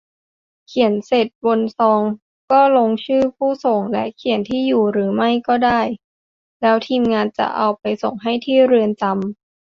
เขียนเสร็จบนซองก็ลงชื่อผู้ส่ง จะเขียนที่อยู่หรือไม่ก็ได้ แล้วทีมงานจะเอาไปส่งให้ที่เรือนจำ